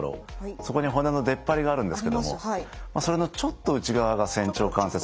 そこに骨の出っ張りがあるんですけれどもそれのちょっと内側が仙腸関節になります。